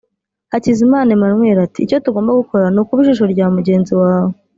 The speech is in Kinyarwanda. Hakizimana Emmanuel ati“icyo tugomba gukora ni ukuba ijisho rya mugenzi wawe